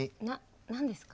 な何ですか？